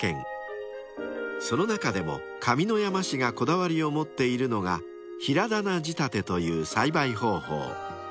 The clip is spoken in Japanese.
［その中でも上山市がこだわりを持っているのが「平棚仕立て」という栽培方法］